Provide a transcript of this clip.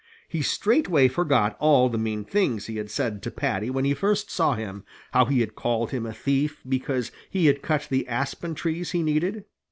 He straightway forgot all the mean things he had said to Paddy when he first saw him how he had called him a thief because he had cut the aspen trees he needed.